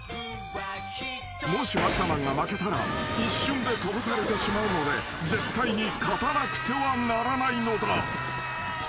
［もしマッサマンが負けたら一瞬でとばされてしまうので絶対に勝たなくてはならないのだ］